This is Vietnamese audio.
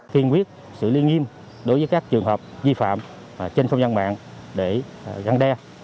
thiên quyết sự liên nghiêm đối với các trường hợp di phạm trên không gian mạng để gắn đe